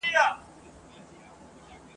آیا دا موضوع مجهوله پاته سوې ده؟